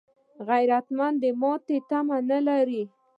غیرتمند د ماڼۍ تمه نه لري